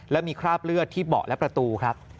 และมีคราบเลือดที่เบาะและประตูครับ